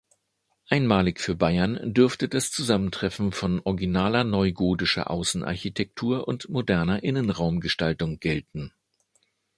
Einmalig für Bayern dürfte das Zusammentreffen von originaler neugotischer Außenarchitektur und moderner Innenraumgestaltung gelten.